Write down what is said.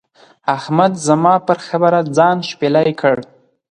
احمد زما پر خبره ځان شپېلی کړ.